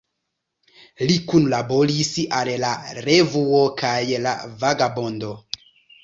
Li kunlaboris al La Revuo kaj La Vagabondo.